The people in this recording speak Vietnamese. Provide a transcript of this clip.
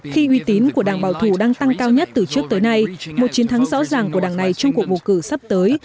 khi uy tín của đảng bảo thủ đang tăng cao nhất từ trước tới nay một chiến thắng rõ ràng của đảng này trong cuộc bầu cử sắp tới